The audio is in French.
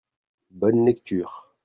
bonne lecture.